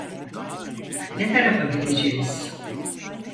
Ne tarafa gideceğiz?